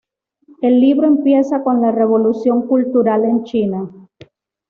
El libro empieza con la Revolución cultural en China.